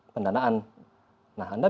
pendanaan nah anda